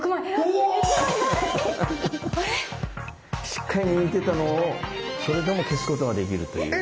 しっかり握っていたのをそれでも消すことができるという。